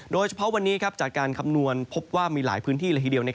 โดยเฉพาะวันนี้จากการคำนวณพบว่ามีหลายพื้นที่ละทีเดียว